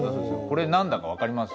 これ何だか分かります？